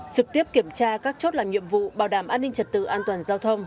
trực tiếp kiểm tra các chốt làm nhiệm vụ bảo đảm an ninh trật tự an toàn giao thông